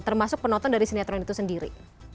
termasuk penonton dari sinetron itu sendiri